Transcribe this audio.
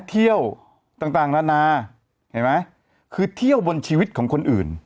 เที่ยวต่างนานาเห็นไหมคือเที่ยวบนชีวิตของคนอื่น